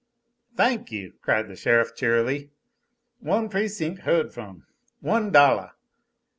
"Thank you!" cried the sheriff, cheerily. "One precinc' heard from! One dollah!